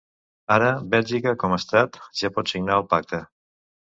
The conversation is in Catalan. Ara Bèlgica, com a estat, ja pot signar el pacte.